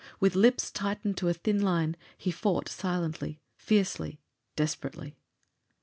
With lips tightened to a thin line, he fought silently, fiercely, desperately.